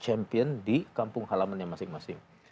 champion di kampung halaman yang masing masing